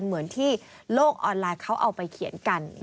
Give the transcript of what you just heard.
เหมือนที่โลกออนไลน์เขาเอาไปเขียนกัน